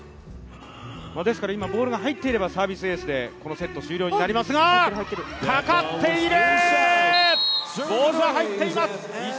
ですから今、ボールが入っていればサービスエースでこのセット終了になりますが、かかっている！